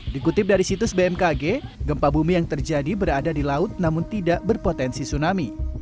dikutip dari situs bmkg gempa bumi yang terjadi berada di laut namun tidak berpotensi tsunami